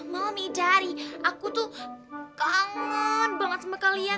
mami jari aku tuh kangen banget sama kalian